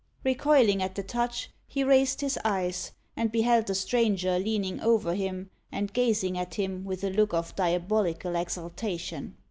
Recoiling at the touch, he raised his eyes, and beheld the stranger leaning over him, and gazing at him with a look of diabolical exultation.